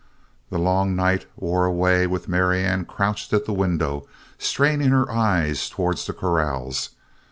The long night wore away with Marianne crouched at the window straining her eyes towards the corrals.